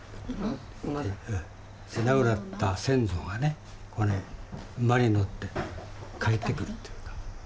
亡くなった先祖がね馬に乗って帰ってくるっていうか。